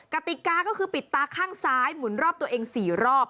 กติกาก็คือปิดตาข้างซ้ายหมุนรอบตัวเอง๔รอบ